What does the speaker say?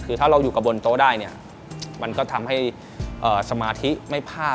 คือถ้าเราอยู่กับบนโต๊ะได้เนี่ยมันก็ทำให้สมาธิไม่พลาด